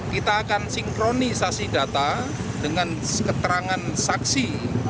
kita akan sinkronisasi data dengan keterangan saksi